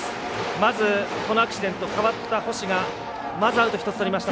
まず、このアクシデントで代わった、星がまずアウト１つとりました。